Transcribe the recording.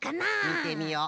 みてみよう。